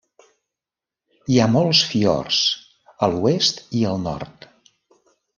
Hi ha molts fiords a l'oest i al nord.